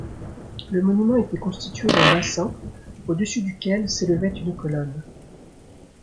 Le monument était constitué d'un bassin au-dessus duquel s'élevait une colonne.